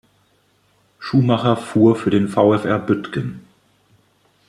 Schumacher fuhr für den "VfR Büttgen".